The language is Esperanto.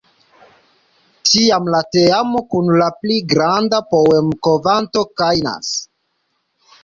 Tiam la teamo kun la pli granda poentokvanto gajnas.